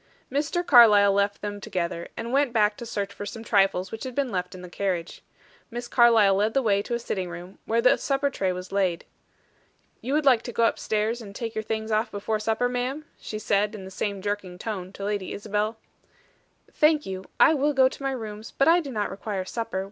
Mr. Carlyle left them together, and went back to search for some trifles which had been left in the carriage. Miss Carlyle led the way to a sitting room, where the supper tray was laid. "You would like to go upstairs and take your things off before upper, ma'am?" she said, in the same jerking tone to Lady Isabel. "Thank you. I will go to my rooms, but I do not require supper.